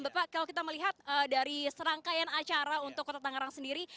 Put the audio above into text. bapak kalau kita melihat dari serangkaian acara untuk kota tangerang sendiri